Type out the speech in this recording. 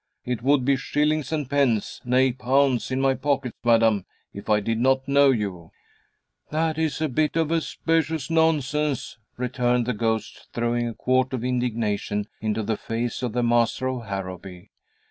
It would be shillings and pence nay, pounds, in my pocket, madam, if I did not know you." "That is a bit of specious nonsense," returned the ghost, throwing a quart of indignation into the face of the master of Harrowby.